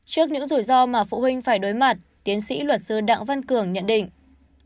trước những rủi ro mà phụ huynh phải đối mặt tiến sĩ luật sư đặng văn cường nhận định